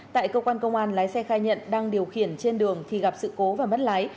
tại cơ quan công an lái xe khai nhận đang điều khiển trên đường thì gặp sự cố và mất lái